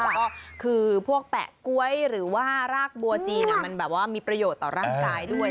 ก็คือพวกแปะก๊วยหรือว่ารากบัวจีนมันแบบว่ามีประโยชน์ต่อร่างกายด้วย